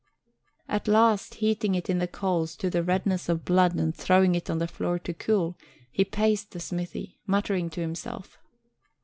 At last, heating it in the coals to the redness of blood and throwing it on the floor to cool, he paced the smithy, muttering to himself.